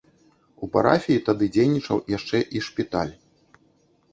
У парафіі тады дзейнічаў яшчэ і шпіталь.